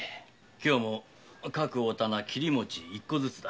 今日も各お店切餅一個ずつだ。